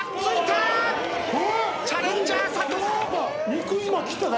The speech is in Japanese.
チャレンジャー佐藤！